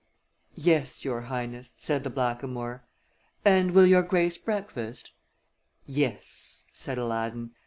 "Yes, your Highness," said the blackamoor. "And will your Grace breakfast?" "Yes," said Aladdin.